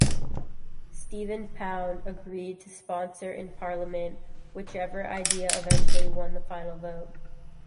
Stephen Pound agreed to sponsor in Parliament whichever idea eventually won the final vote.